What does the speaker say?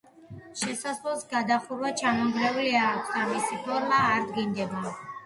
შესასვლელს გადახურვა ჩამონგრეული აქვს და მისი ფორმა არ დგინდება.